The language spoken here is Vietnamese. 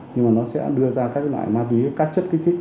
nhưng mà nó sẽ đưa ra các loại ma túy các chất kinh tích